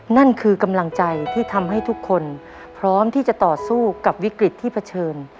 นั่นคือกำลังใจที่ทำให้ทุกคนพร้อมที่จะต่อสู้กับวิกฤตที่เผชิญ